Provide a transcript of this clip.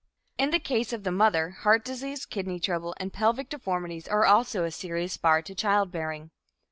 In the case of the mother, heart disease, kidney trouble and pelvic deformities are also a serious bar to childbearing.